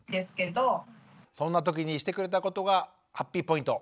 そんなときにしてくれたことがハッピーポイント。